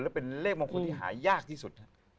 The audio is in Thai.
และเป็นเลขมงคลที่หายากที่สุด